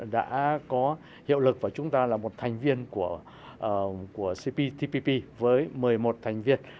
đã có hiệu lực và chúng ta là một thành viên của cptpp với một mươi một thành viên